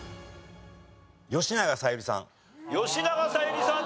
吉永小百合さん